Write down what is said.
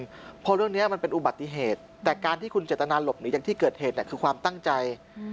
เพราะเรื่องนี้มันเป็นอุบัติเหตุแต่การที่คุณเจตนาหลบหนีอย่างที่เกิดเหตุคือความตั้งใจ